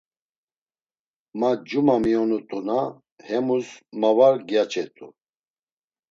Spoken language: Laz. Ma cuma miyonut̆una, hemus ma var gyaçet̆u.